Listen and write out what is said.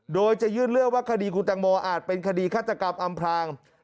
โดยจะยื่นเรื่องว่าคดีคุณตังโมอาจเป็นคดีฆาตกรรมอำพลาง